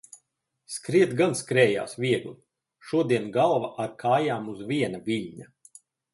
Skriet gan skrējās viegli, šodien galva ar kājām uz viena viļņa.